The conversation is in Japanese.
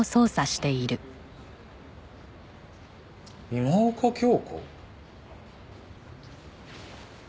今岡鏡子？